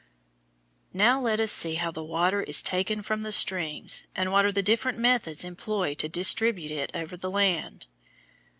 Now let us see how the water is taken from the streams and what are the different methods employed to distribute it over the land.